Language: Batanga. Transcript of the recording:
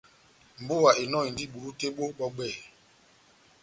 Mbúwa enɔhindi bulu tɛ́h bó bɔ́ bwɛ́hɛ́pi.